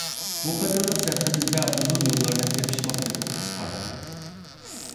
بۇ قېتىملىق سەپىرىمىزدە ئۇزۇن يوللارنى تېپىشماق تېپىپ قىسقارتتۇق.